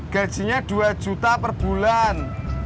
gajinya dua juta perbulan